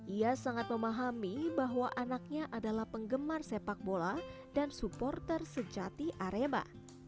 ia sangat memahami bahwa anaknya adalah penggemar sepak bola dan supporter sejati arema